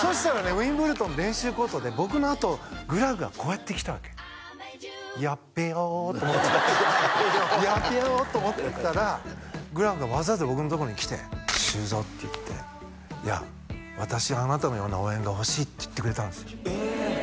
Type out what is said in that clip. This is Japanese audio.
ウィンブルドン練習コートで僕のあとグラフがこうやって来たわけ「やっべえよ」と思って「やっべえよ」と思ったらグラフがわざわざ僕のとこに来て「修造」って言って「私あなたのような応援が欲しい」って言ってくれたんですよえ